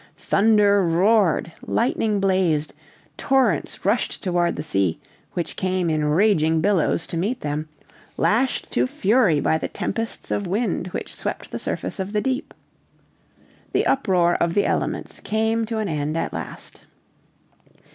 Thunder roared, lightning blazed, torrents rushed toward the sea, which came in raging billows to meet them, lashed to fury by the tempests of wind which swept the surface of the deep. The uproar of the elements came to an end at last.